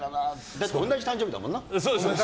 だって、同じ誕生日だもんな。